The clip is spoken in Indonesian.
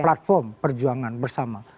platform perjuangan bersama